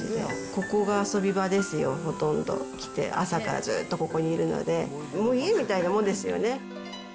ここが遊び場ですよ、ほとんど、来て、朝からずっとここにいるので、もう家みたいなものですよね。